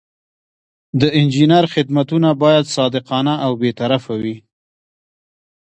د انجینر خدمتونه باید صادقانه او بې طرفه وي.